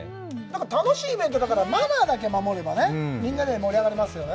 楽しいイベントだから、マナーだけ守ればね、みんなで盛り上がれますよね。